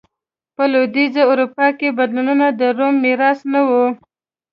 په لوېدیځه اروپا کې بدلونونه د روم میراث نه و.